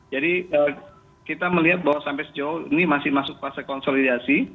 jadi kita melihat bahwa sampai sejauh ini masih masuk fase konsolidasi